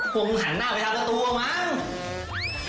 คงหันหน้าไปทางละตัวมั้ง